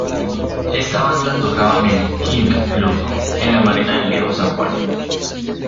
Esta banda tocaba en el "King Club" en la Marina del Viejo San Juan.